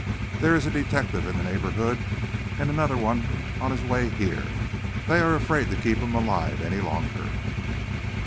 There is a detective in the neighbourhood and another one on his way here. They are afraid to keep him alive any longer."